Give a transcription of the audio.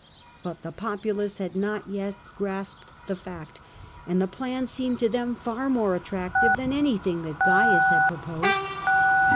But the populace had not yet grasped the fact, and the plan seemed to them far more attractive than anything that Cains had pro posed.